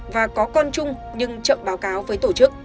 và có con chung nhưng chậm báo cáo với tổ chức